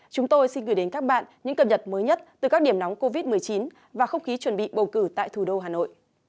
chúng tôi xin gửi đến các bạn những cập nhật mới nhất từ các điểm nóng covid một mươi chín và không khí chuẩn bị bầu cử tại thủ đô hà nội